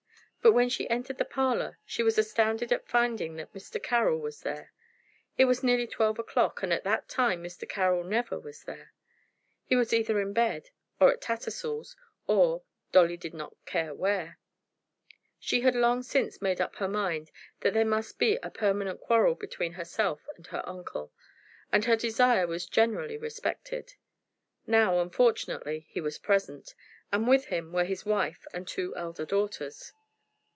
But when she entered the parlor she was astounded at finding that Mr. Carroll was there. It was nearly twelve o'clock, and at that time Mr. Carroll never was there. He was either in bed, or at Tattersall's, or Dolly did not care where. She had long since made up her mind that there must be a permanent quarrel between herself and her uncle, and her desire was generally respected. Now, unfortunately, he was present, and with him were his wife and two elder daughters.